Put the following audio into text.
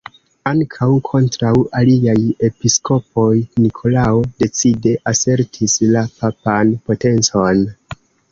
Ankaŭ kontraŭ aliaj episkopoj Nikolao decide asertis la papan potencon.